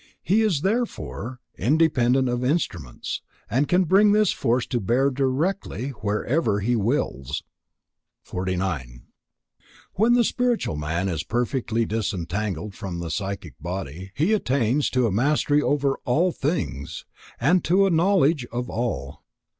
He is, therefore, independent of instruments, and can bring his force to bear directly, wherever he wills. 49. When the spiritual man is perfectly disentangled from the psychic body, he attains to mastery over all things and to a knowledge of all.